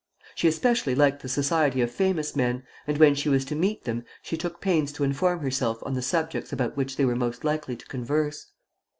She especially liked the society of famous men, and when she was to meet them, she took pains to inform herself on the subjects about which they were most likely to converse.